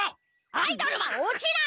アイドルは落ちない！